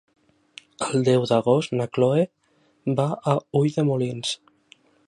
El deu d'agost na Chloé va a Ulldemolins.